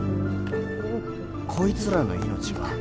こいつらの命は